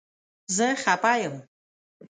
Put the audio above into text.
زه خپه یم